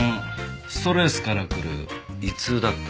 ストレスからくる胃痛だった。